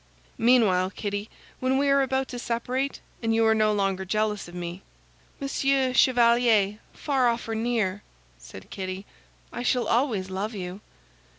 "Meanwhile, Kitty, when we are about to separate, and you are no longer jealous of me—" "Monsieur Chevalier, far off or near," said Kitty, "I shall always love you."